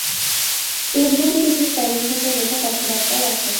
স্কেচবুকে কিছু স্প্যানিশ ভাষায় লেখা কথাবার্তাও আছে।